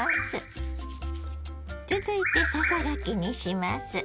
続いてささがきにします。